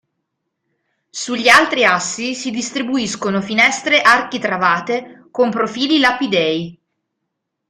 Sugli altri assi si distribuiscono finestre architravate con profili lapidei.